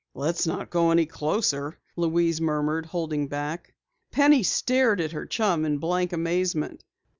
"Let's not go any closer," Louise murmured, holding back. Penny stared at her chum in blank amazement.